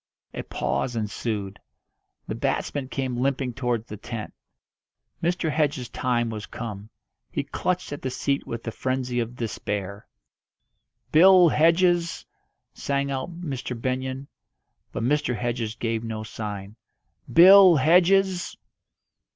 A pause ensued. The batsman came limping towards the tent. Mr. Hedges' time was come; he clutched at the seat with the frenzy of despair. "Bill Hedges!" sang out Mr. Benyon; but Mr. Hedges gave no sign. "Bill Hedges!"